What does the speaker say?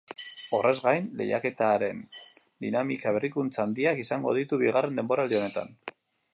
Horrez gain, lehiaketaren dinamikak berrikuntza handiak izango ditu bigarren denboraldi honetan.